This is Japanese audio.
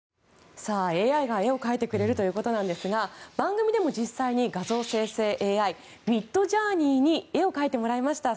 ＡＩが絵を描いてくれるということなんですが番組でも実際に画像生成ＡＩミッドジャーニーに絵を描いてもらいました。